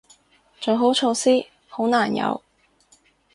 做好措施，好難有